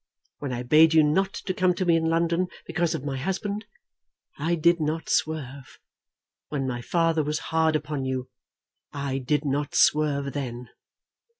When I bade you not to come to me in London because of my husband, I did not swerve. When my father was hard upon you, I did not swerve then.